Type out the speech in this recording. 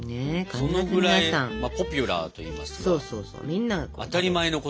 そのくらいポピュラーといいますか当たり前のことなんだね。